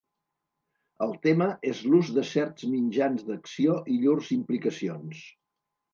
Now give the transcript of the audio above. El tema és l'ús de certs mitjans d'acció i llurs implicacions.